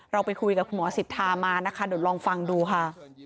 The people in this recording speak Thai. เราไปคุยกับคุณหมอสิทธามานะคะเดี๋ยวลองฟังดูค่ะ